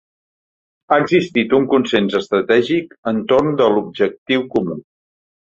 Ha existit un consens estratègic entorn de l’objectiu comú.